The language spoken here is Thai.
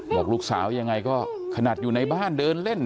บอกลูกสาวยังไงก็ขนาดอยู่ในบ้านเดินเล่น